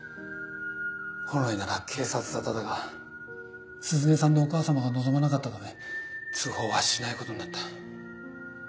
本来なら警察沙汰だが鈴音さんのお母様が望まなかったため通報はしないことになった。